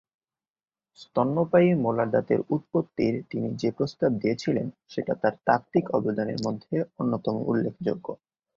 স্তন্যপায়ী মোলার দাঁতের উৎপত্তির তিনি যে প্রস্তাব দিয়েছিলেন সেটা তার তাত্ত্বিক অবদানের মধ্যে অন্যতম উল্লেখযোগ্য।